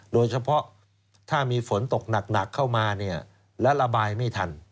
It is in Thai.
โดยเฉพาะถ้ามีฝนตกหนักเข้ามาและระบายไม่ทัน